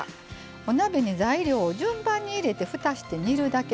お鍋に材料を順番に入れて煮るだけ。